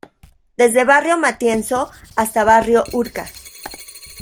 Desde barrio Matienzo hasta barrio Urca.